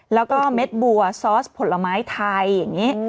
แล้วก็เม็ดบัวซอสผลไม้ไทยอย่างนี้